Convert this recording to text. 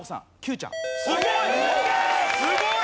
すごい！